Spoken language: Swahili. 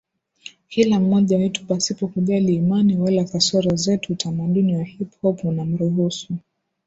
kila mmoja wetu pasipo kujali imani wala kasoro zetu Utamaduni wa hip hop unamruhusu